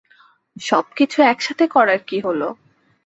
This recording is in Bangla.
সবকিছু একসাথে করার কী হলো?